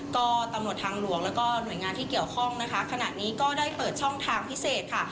ก็ตำรวจทางหลวงแล้วก็หน่วยงานที่เกี่ยวข้องนะคะขณะนี้ก็ได้เปิดช่องทางพิเศษค่ะ